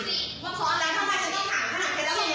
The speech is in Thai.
หน้ากลินเป็นครับสิ